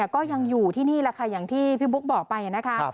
ก็ยังอยู่ที่นี่แหละค่ะอย่างที่พี่บุ๊คบอกไปนะคะ